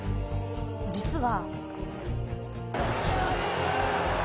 実は。